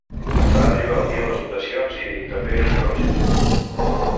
Va arribar el dia de les votacions i… també érem prou gent.